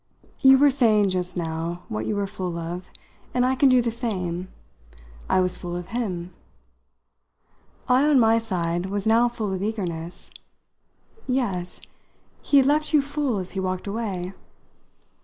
"You were saying just now what you were full of, and I can do the same. I was full of him." I, on my side, was now full of eagerness. "Yes? He had left you full as he walked away?"